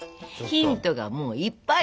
ヒントがもういっぱい。